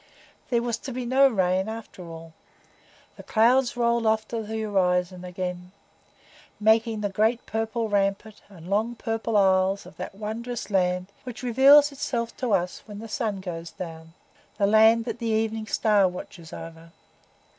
There was to be no rain, after all; the clouds rolled off to the horizon again, making the great purple rampart and long purple isles of that wondrous land which reveals itself to us when the sun goes down,—the land that the evening star watches over.